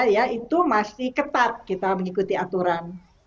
ya itu masih ketat kita mengikuti aturan